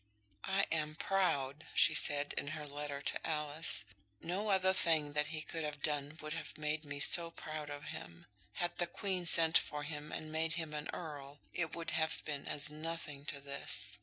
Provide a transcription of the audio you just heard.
"I am proud," she said, in her letter to Alice. "No other thing that he could have done would have made me so proud of him. Had the Queen sent for him and made him an earl, it would have been as nothing to this.